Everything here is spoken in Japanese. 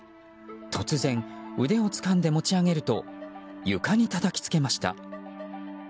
突然、腕をつかんで持ち上げると床にたたきつけました。